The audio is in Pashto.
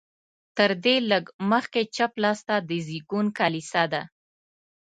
تر دې لږ مخکې چپ لاس ته د زېږون کلیسا ده.